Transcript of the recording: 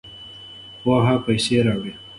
پوهه پیسې راوړي.